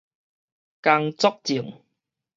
工作證